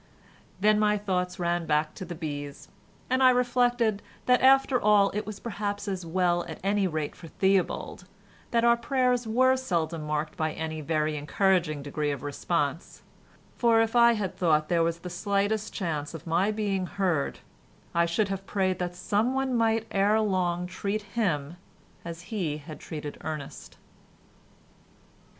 Then my thoughts ran back to the bees and I reflected that after all it was perhaps as well at any rate for Theobald that our prayers were seldom marked by any very encouraging degree of response, for if I had thought there was the slightest chance of my being heard I should have prayed that some one might ere long treat him as he had treated Ernest.